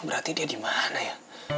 berarti dia di mana ya